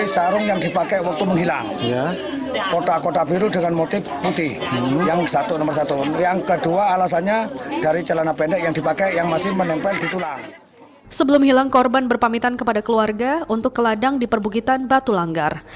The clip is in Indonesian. sebelum hilang korban berpamitan kepada keluarga untuk ke ladang di perbukitan batu langgar